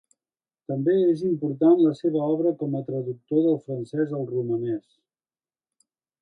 També és important la seva obra com a traductor del francès al romanès.